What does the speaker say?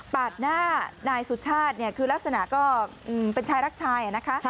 หน้านายสุชาติคือลักษณะก็เป็นชายรักชายนะคะ